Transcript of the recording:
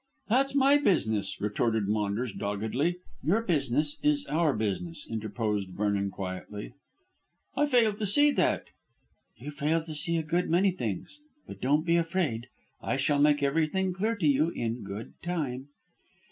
"That's my business," retorted Maunders doggedly. "Your business is our business," interposed Vernon quietly. "I fail to see that." "You fail to see a good many things; but don't be afraid, I shall make everything clear to you in good time."